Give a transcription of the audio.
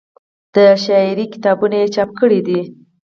د شاعرۍ کتابونه یې چاپ کړي دي